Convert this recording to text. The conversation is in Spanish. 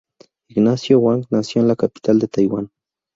Ignacio Huang nació en la capital de Taiwán.